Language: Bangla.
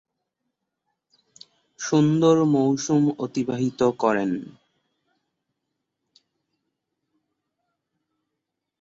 সুন্দর মৌসুম অতিবাহিত করেন।